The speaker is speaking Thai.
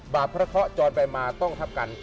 พระเคาะจรไปมาต้องทับกัน